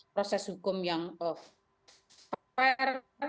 proses hukum yang fair